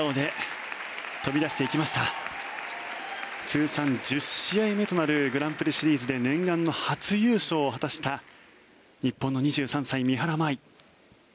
通算１０試合目となるグランプリシリーズで念願の初優勝を果たした日本の２３歳、三原舞依。